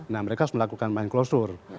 nah mereka harus melakukan main klosure